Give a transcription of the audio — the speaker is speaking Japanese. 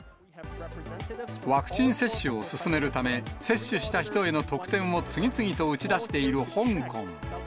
ワクチン接種を進めるため、接種した人への特典を次々と打ち出している香港。